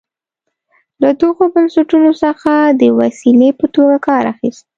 له دغو بنسټونو څخه د وسیلې په توګه کار اخیست.